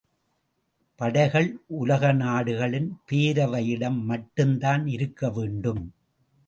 படைகள் உலக நாடுகளின் பேரவையிடம் மட்டும் தான் இருக்க வேண்டும்.